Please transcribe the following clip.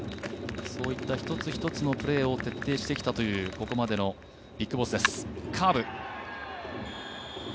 そういった一つ一つのプレーを徹底してきたというここまでのＢＩＧＢＯＳＳです。